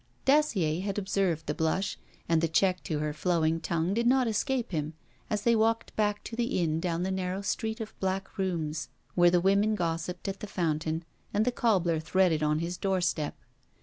Dacier had observed the blush, and the check to her flowing tongue did not escape him as they walked back to the inn down the narrow street of black rooms, where the women gossiped at the fountain and the cobbler threaded on his doorstep.